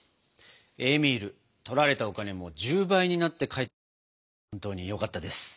エーミールとられたお金も１０倍になって返ってきて本当によかったです。